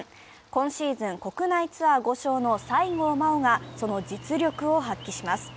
今シーズン国内ツアー５勝の西郷真央がその実力を発揮します。